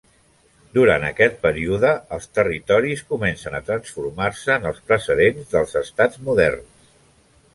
Durant aquest període, els territoris comencen a transformar-se en els precedents dels estats moderns.